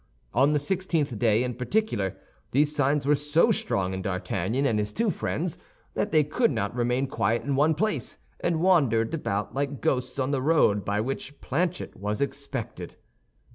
On the sixteenth day, in particular, these signs were so strong in D'Artagnan and his two friends that they could not remain quiet in one place, and wandered about like ghosts on the road by which Planchet was expected.